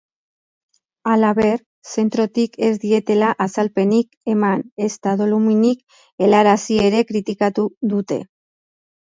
Halaber, zentrotik ez dietela azalpenik eman ezta doluminik helarazi ere kritikatu dute.